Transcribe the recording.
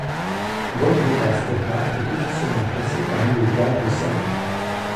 Vojvoda Stepa est officiellement classée parmi les villages de Serbie.